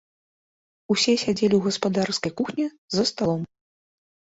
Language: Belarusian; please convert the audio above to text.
Усе сядзелі ў гаспадарскай кухні за сталом.